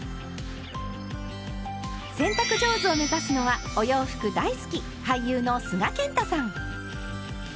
洗濯上手を目指すのはお洋服大好き俳優の須賀健太さん。